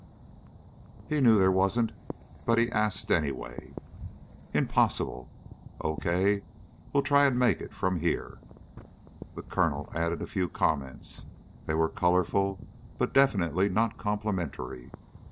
He knew there wasn't, but he asked anyway. "Impossible." "Okay, well try and make it from here." The Colonel added a few comments. They were colorful but definitely not complimentary.